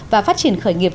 và phát triển khởi nghiệp